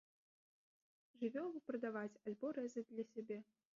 Жывёлу прадаваць альбо рэзаць для сябе.